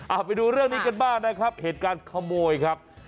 เอาไปดูเรื่องนี้กันบ้างนะครับเหตุการณ์ขโมยครับ